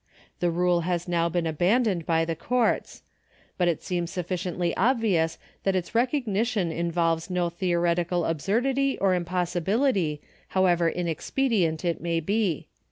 ^ The rule has now been abandoned by the courts, but it seems sufficiently obvious that its recognition involves no theoretical absurdity or impossibility, however inexpedient it may be.